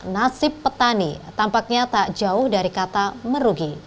nasib petani tampaknya tak jauh dari kata merugi